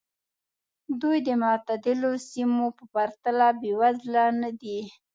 دوی د معتدلو سیمو په پرتله بېوزله نه دي.